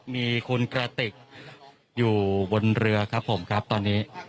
มีคุณกระติกอยู่บนเรือครับผมครับตอนนี้